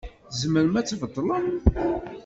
Tzemrem ad tbeṭlem?